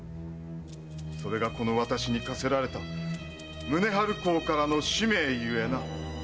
それがこの私に課せられた宗春公からの使命ゆえな。